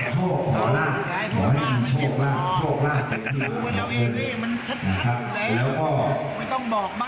หรอกหลายพวกมันเจ็บคอดูกันแล้วเองเลยมันชัดเลย